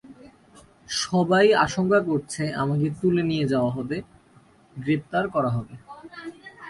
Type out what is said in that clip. সবাই আশঙ্কা করছে আমাকে তুলে নিয়ে যাওয়া হবে, গ্রেপ্তার করা হবে।